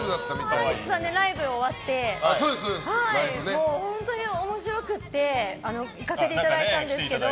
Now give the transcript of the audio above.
昨日ハライチさんのライブ終わって、本当に面白くて行かせていただいたんですけど。